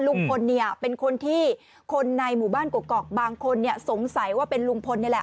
ลุงพลเนี่ยเป็นคนที่คนในหมู่บ้านกกอกบางคนสงสัยว่าเป็นลุงพลนี่แหละ